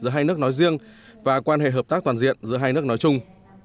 giữa hai nước nói riêng và quan hệ hợp tác toàn diện giữa hai nước nói chung